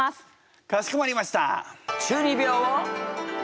かしこまりました！